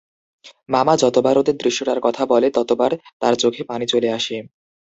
মামা যতবার ওদের দৃশ্যটার কথা বলে, ততবার তার চোখে পানি চলে আসে।